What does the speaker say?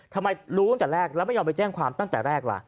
ทำไมรู้ตั้งแต่แรกแล้วไม่ยอมไปแจ้งความตั้งแต่แรกล่ะ